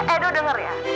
edo denger ya